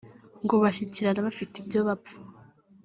ngo hashyikirana bafite ibyo bapfa